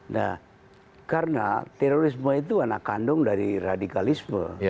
nah karena terorisme itu anak kandung dari radikalisme